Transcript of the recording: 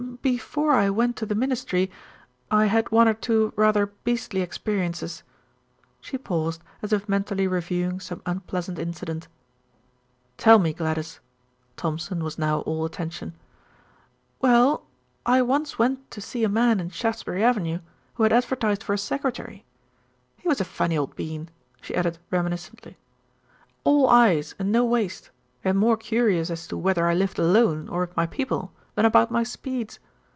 "Before I went to the Ministry I had one or two rather beastly experiences." She paused as if mentally reviewing some unpleasant incident. "Tell me, Gladys." Thompson was now all attention. "Well, I once went to see a man in Shaftesbury Avenue who had advertised for a secretary. He was a funny old bean," she added reminiscently, "all eyes and no waist, and more curious as to whether I lived alone, or with my people, than about my speeds.